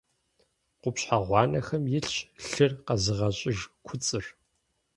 Къупщхьэ гъуанэхэм илъщ лъыр къэзыгъэщӏыж куцӏыр.